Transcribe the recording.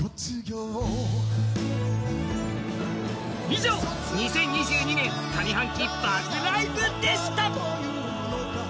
以上、「２０２２年上半期バズライブ」でした！